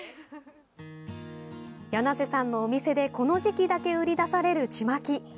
梁瀬さんのお店で、この時期だけ売り出される、ちまき。